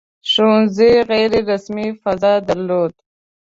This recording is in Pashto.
• ښوونځي غیر رسمي فضا درلوده.